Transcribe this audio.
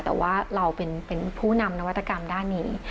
แต่ว่าเราเป็นผู้นำนวัตกรรมด้านนี้